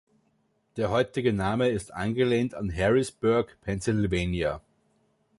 Der heutige Name ist angelehnt an Harrisburg, Pennsylvania.